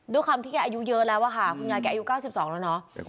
ด้วยความที่แกอายุเยอะแล้วอะค่ะคุณยายแกอายุ๙๒แล้วเนาะ